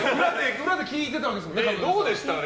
裏で聞いていたわけですよね。